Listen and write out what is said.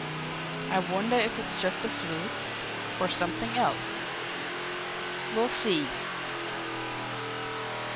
"I wonder if it's just a fluke or something else? We'll see."